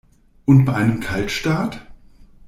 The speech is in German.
Und bei einem Kaltstart?